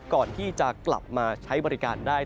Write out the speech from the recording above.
ก่อนที่จะกลับมาใช้บริการได้